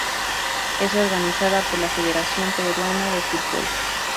Es organizada por la Federación Peruana de Fútbol.